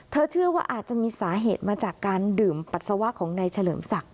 เชื่อว่าอาจจะมีสาเหตุมาจากการดื่มปัสสาวะของนายเฉลิมศักดิ